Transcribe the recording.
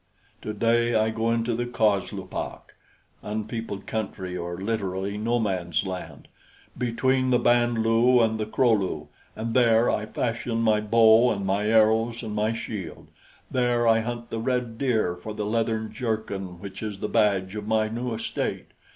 Today I go into the coslupak" (unpeopled country, or literally, no man's land) "between the Band lu and the Kro lu, and there I fashion my bow and my arrows and my shield; there I hunt the red deer for the leathern jerkin which is the badge of my new estate.